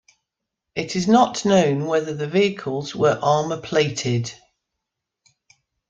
It is not known whether the vehicles were armour-plated.